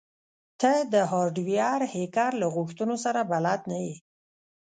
ته د هارډویر هیکر له غوښتنو سره بلد نه یې